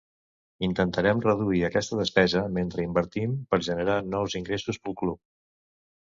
“Intentarem reduir aquesta despesa mentre invertim per generar nous ingressos pel club”.